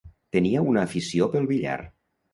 Tenia una afició pel billar.